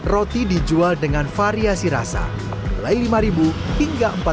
roti dijual dengan variasi rasa mulai lima hingga empat puluh